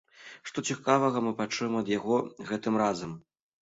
Што цікавага мы пачуем ад яго гэтым разам?